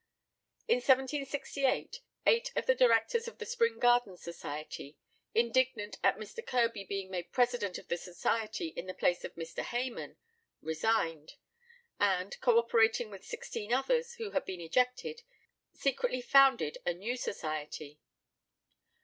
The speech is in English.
In 1768 eight of the directors of the Spring Gardens Society, indignant at Mr. Kirby being made president of the society in the place of Mr. Hayman, resigned; and, co operating with sixteen others who had been ejected, secretly founded a new society.